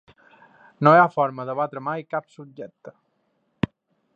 No hi ha forma d'abatre mai cap subjecte.